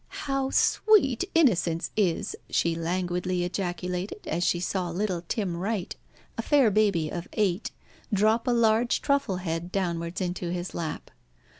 "How sweet innocence is!" she languidly ejaculated, as she saw little Tim Wright, a fair baby of eight, drop a large truffle head downwards into his lap.